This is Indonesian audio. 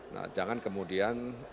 nah jangan kemudian